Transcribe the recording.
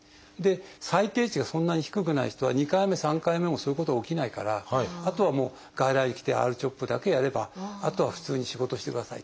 最低値がそんなに低くない人は２回目３回目もそういうこと起きないからあとは外来に来てＲ−ＣＨＯＰだけやればあとは普通に仕事をしてくださいと。